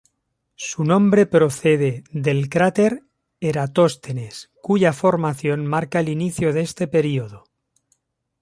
Su nombre procede del cráter Eratóstenes, cuya formación marca el inicio de este período.